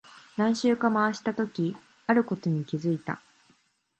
何周か回したとき、あることに気づいた。